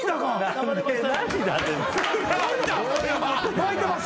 泣いてます